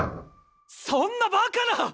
そんなバカな！